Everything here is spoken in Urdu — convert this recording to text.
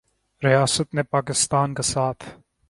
ریاست نے پاکستان کا ساتھ